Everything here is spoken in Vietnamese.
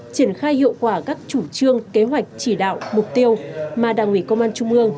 triển khai hiệu quả các chủ trương kế hoạch chỉ đạo mục tiêu mà đảng ủy công an trung ương